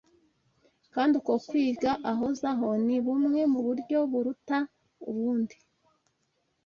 Kandi uko kwiga ahozaho ni bumwe mu buryo buruta ubundi